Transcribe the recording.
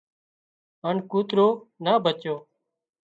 هانَ ڪوترو نا ڀچو